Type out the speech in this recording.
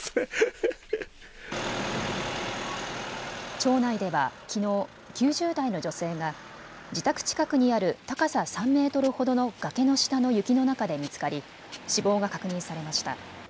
町内ではきのう９０代の女性が自宅近くにある高さ３メートルほどの崖の下の雪の中で見つかり死亡が確認されました。